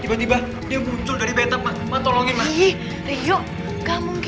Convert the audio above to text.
ada setan kamu nenek ajak